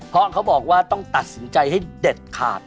เพราะเขาบอกว่าต้องตัดสินใจให้เด็ดขาด